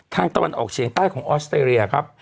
ทางตอนออกเฉียงใต้ของออสเตรียครับ